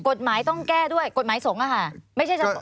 กฎหมายต้องแก้ด้วยกฎหมายสงฆ์